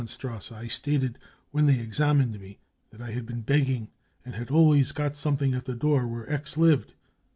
44 At the Hedemannstrasse I stated when they examined me that I had been begging and had always got some thing at the door where c X 9 lived.